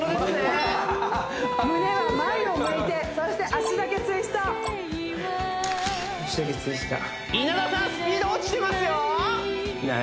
胸は前を向いてそして足だけツイスト稲田さんスピード落ちてますよ何！？